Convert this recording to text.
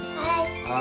はい。